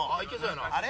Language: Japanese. あれ？